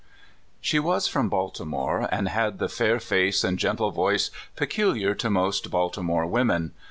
SHE was from Baltimore, and had the fair face and gentle voice peculiar to most Baltimore women.